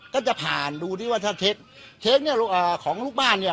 ครับก็จะผ่านดูดิว่าเชฟเชฟเนี้ยของลูกบ้านเนี้ย